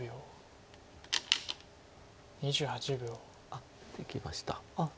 あっいきました。